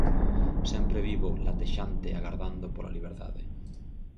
Sempre vivo, latexante, agardando pola liberdade.